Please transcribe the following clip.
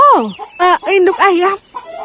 oh induk ayam